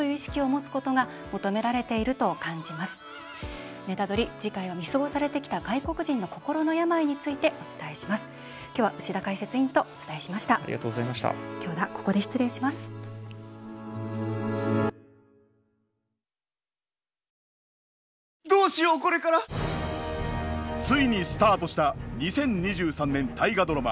ついにスタートした２０２３年大河ドラマ